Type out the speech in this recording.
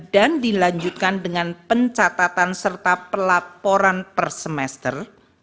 dan dilanjutkan dengan pencatatan serta pelaporan per semester